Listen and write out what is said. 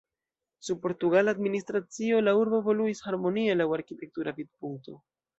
Sub portugala administracio la urbo evoluis harmonie laŭ arkitektura vidpunkto.